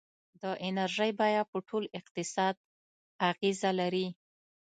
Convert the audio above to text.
د انرژۍ بیه په ټول اقتصاد اغېزه لري.